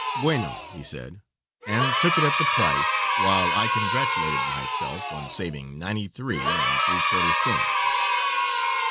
"Bueno," he said, and took it at the price, while I congratulated myself on saving ninety three and three quarter cents.